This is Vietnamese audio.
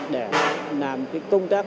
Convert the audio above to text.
để làm cái công tác